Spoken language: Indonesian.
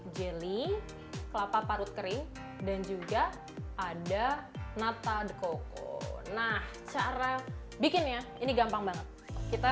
jelly kelapa parut kering dan juga ada nata the coco nah cara bikinnya ini gampang banget kita